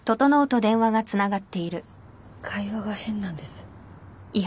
会話が変なんです。